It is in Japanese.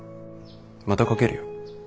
またかけるよ。